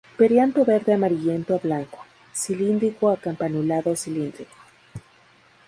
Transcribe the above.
Perianto verde amarillento a blanco, cilíndrico a campanulado-cilíndrico.